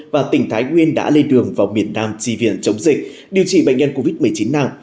và tỉnh thái nguyên đã lên đường vào miền nam tri viện chống dịch điều trị bệnh nhân covid một mươi chín nặng